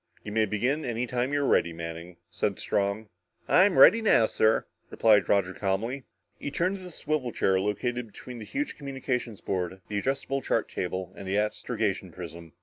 "You may begin any time you are ready, Manning," said Strong. "I'm ready now, sir," replied Roger calmly. He turned to the swivel chair located between the huge communications board, the adjustable chart table and the astrogation prism.